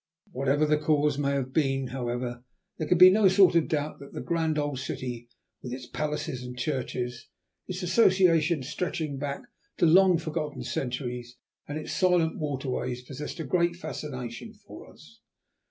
Whatever the cause may have been, however, there could be no sort of doubt that the grand old city, with its palaces and churches, its associations stretching back to long forgotten centuries, and its silent waterways, possessed a great fascination for us.